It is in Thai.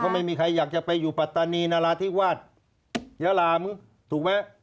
ไม่มีใครอยากจะไปอยู่ปัตตานีนาราธิวาสยาลามึงถูกไหม